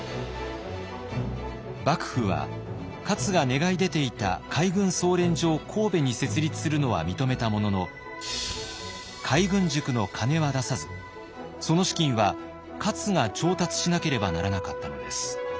幕府は勝が願い出ていた海軍操練所を神戸に設立するのは認めたものの海軍塾の金は出さずその資金は勝が調達しなければならなかったのです。